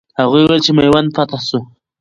هغوی وویل چې میوند فتح سو.